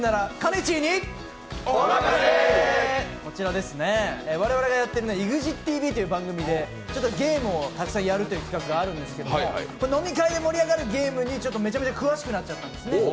こちら、我々がやっている、「ＥＸＩＴＶ！」という番組でゲームをたくさんやるというコーナーがあるんですけど、飲み会で盛り上がるゲームにめちゃめちゃ詳しくなっちゃったんですね。